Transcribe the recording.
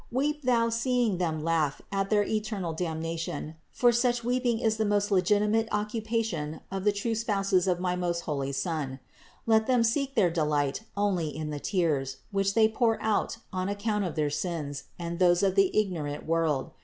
Weep thou in seeing them laugh at their eternal damnation, for such weeping is the most legiti mate occupation of the true spouses of my most holy Son. Let them seek their delight only in the tears, which they pour out on account of their sins and those of the igno rant world.